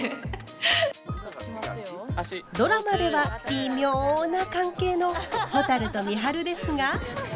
ドラマではビミョな関係のほたると美晴ですが。